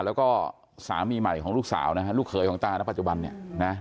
แล้วก็สามีใหม่ของลูกสาวนะฮะลูกเขยของตานะปัจจุบันเนี่ยนะ